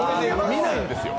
見ないんですよ。